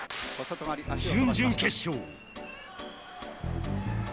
準々決勝